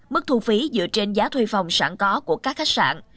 mức thu phí dựa trên giá thuê phòng sẵn có của các khách sạn